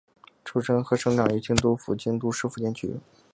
出身和生长于京都府京都市伏见区。